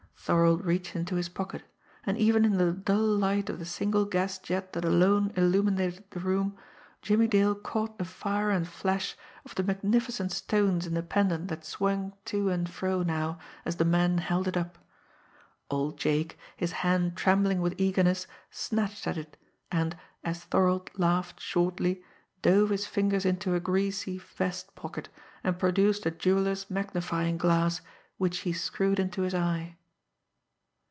Thorold reached into his pocket and even in the dull light of the single gas jet that alone illuminated the room, Jimmie Dale caught the fire and flash of the magnificent stones in the pendant that swung to and fro now, as the man held it up. Old Jake, his hand trembling with eagerness, snatched at it, and, as Thorold laughed shortly, dove his fingers into a greasy vest pocket, and produced a jeweller's magnifying glass, which he screwed into his eye.